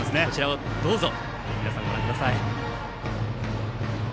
こちらをどうぞ皆さん、ご覧ください。